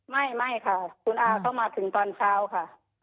ไม่ค่ะคุณอาก็มาถึงตอนเช้าค่ะ